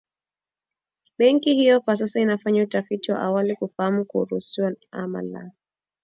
Benki hiyo kwa sasa inafanya utafiti wa awali kufahamu kuruhusiwa ama la